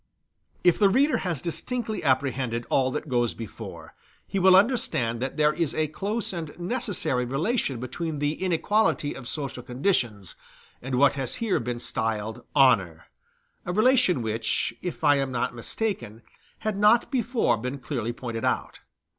If the reader has distinctly apprehended all that goes before, he will understand that there is a close and necessary relation between the inequality of social conditions and what has here been styled honor a relation which, if I am not mistaken, had not before been clearly pointed out.